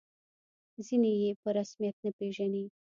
ځینې یې په رسمیت نه پېژني.